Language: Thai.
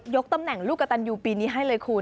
ตำแหน่งลูกกระตันยูปีนี้ให้เลยคุณ